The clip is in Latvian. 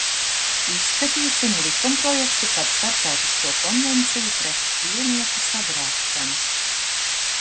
"Izskatīsim likumprojektu "Par Starptautisko konvenciju pret ķīlnieku sagrābšanu"."